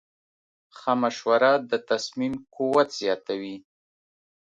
ښه مشوره د تصمیم قوت زیاتوي.